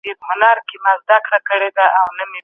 اسلام علم ته ډېر اهميت ورکړی دی.